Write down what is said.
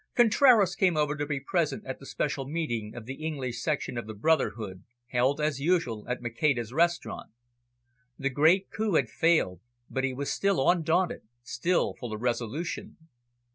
Contraras came over to be present at a special meeting of the English section of the brotherhood, held, as usual, at Maceda's restaurant. The great coup had failed, but he was still undaunted, still full of resolution.